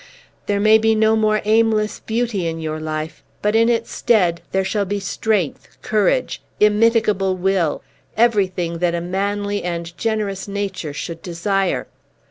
There may be no more aimless beauty in your life; but, in its stead, there shall be strength, courage, immitigable will, everything that a manly and generous nature should desire!